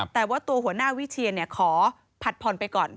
แต่ว่าตัวหัวหน้าวิเชียนขอผัดผ่อนไปก่อน